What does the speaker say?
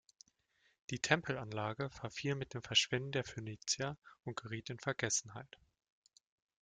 Die Tempelanlage verfiel mit dem Verschwinden der Phönizier und geriet in Vergessenheit.